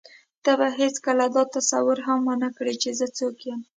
ته به هېڅکله دا تصور هم ونه کړې چې زه څوک یم.